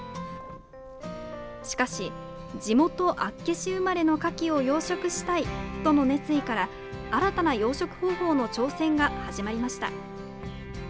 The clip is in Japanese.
しかし、地元・厚岸生まれのカキを養殖したいとの熱意から新たな養殖方法の挑戦が始まりました。